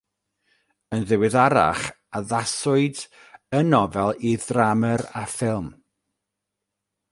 Yn ddiweddarach addaswyd y nofel i ddrama a ffilm.